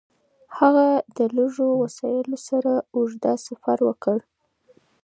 هغه د لږو وسایلو سره اوږد سفر وکړ.